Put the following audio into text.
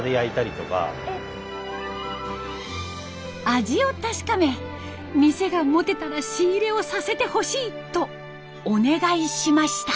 味を確かめ店が持てたら仕入れをさせてほしいとお願いしました。